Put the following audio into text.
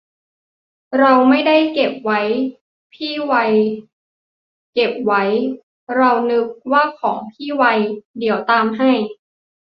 เราไม่ได้เก็บไว้ พี่ไวเก็บไว้ เรานึกว่าของพี่ไว เดี๋ยวตามให้